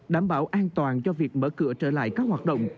đảm bảo an toàn cho việc mở cửa trở lại các hoạt động